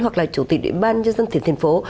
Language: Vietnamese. hoặc là chủ tịch ủy ban nhân dân tỉnh thành phố